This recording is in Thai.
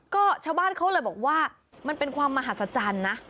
ก็ชาวบ้านเขาเลยบอกว่ามันเป็นความมหัศจรรย์นะ